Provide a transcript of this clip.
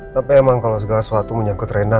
tapi emang kalau segala sesuatu menyangkut rendah